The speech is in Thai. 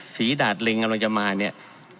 ดาดเล็งกำลังจะมาเนี่ย